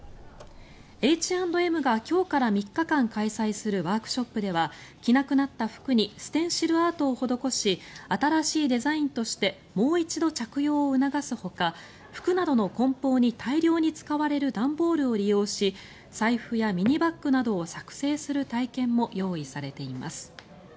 Ｈ＆Ｍが今日から３日間開催するワークショップでは着なくなった服にステンシルアートを施し新しいデザインとしてもう一度着用を促すほか服などのこん包に大量に使われる段ボールを利用し財布やミニバッグなどを作成する体験も用意されています。